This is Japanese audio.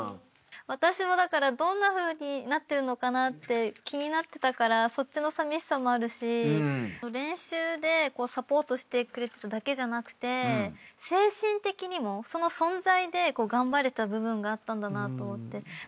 私もどんなふうになってるのかなって気になってたからそっちのさみしさもあるし練習でサポートしてくれてただけじゃなくて精神的にもその存在で頑張れてた部分があったんだなと思って。